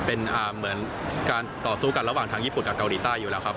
เป็นเหมือนการต่อสู้กันระหว่างทางญี่ปุ่นกับเกาหลีใต้อยู่แล้วครับ